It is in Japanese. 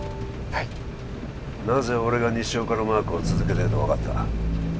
はいなぜ俺が西岡のマークを続けてると分かった？